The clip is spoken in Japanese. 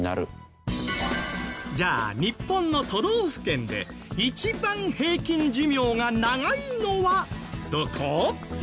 じゃあ日本の都道府県で一番平均寿命が長いのはどこ？